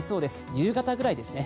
夕方ぐらいですね。